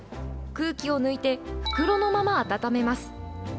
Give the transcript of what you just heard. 空気を抜いて、袋のまま温めます。